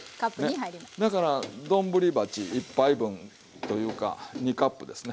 だから丼鉢１杯分というか２カップですね。